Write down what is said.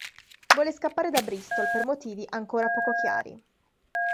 Vuole scappare da Bristol per motivi ancora poco chiari.